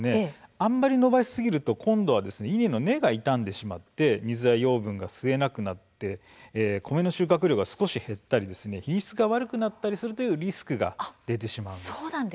あまり延ばしすぎると今度は稲の根が傷んでしまって水や栄養がうまく吸えなくなって米の収穫量が少し減ったり品質が悪くなっちゃったりするリスクが出るということです。